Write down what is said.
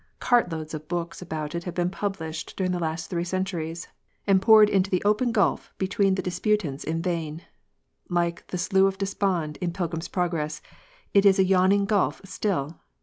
Cart loads of books about it have been published during the last three centuries, and poured into the open gulf between the disputants in vain. Like the " Slough of Despond " in Pilgrim s Proyress, it is a yawning gulf still.